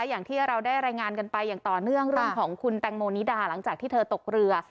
อย่างที่เราได้รายงานกันไปอย่างต่อเนื่องเรื่องของคุณแตงโมนิดาหลังจากที่เธอตกเรือ